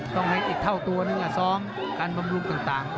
ต้องให้อีกเท่าตัวนึงซ้อมการบำรุงต่าง